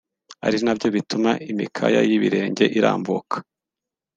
ari nabyo bituma imikaya y’ibirenge irambuka